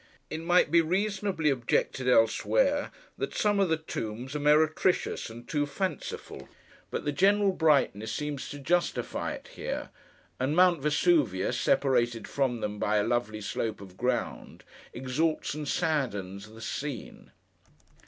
It might be reasonably objected elsewhere, that some of the tombs are meretricious and too fanciful; but the general brightness seems to justify it here; and Mount Vesuvius, separated from them by a lovely slope of ground, exalts and saddens the scene.